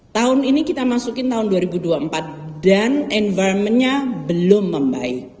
tahun ini kita masukin tahun dua ribu dua puluh empat dan environment nya belum membaik